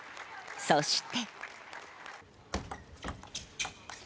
そして。